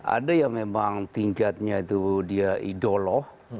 ada yang memang tingkatnya itu dia idolo